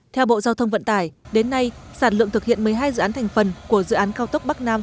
theo bộ giao thông vận tải đến nay sản lượng thực hiện một mươi hai dự án thành phần của dự án cao tốc bắc nam